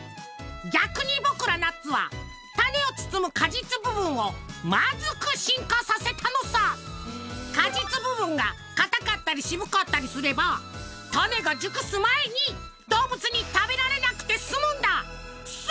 逆に僕らナッツは種を包む果実部分を果実部分が硬かったり渋かったりすれば種が熟す前に動物に食べられなくて済むんだ！